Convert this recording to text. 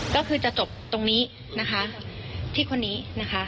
ก็คือจะจบตรงนี้นะคะที่คนนี้นะคะ